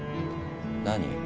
何？